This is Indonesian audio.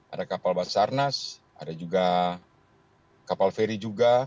ada kapal basarnas ada juga kapal feri juga